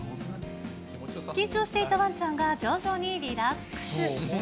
緊張していたわんちゃんが徐々にリラックス。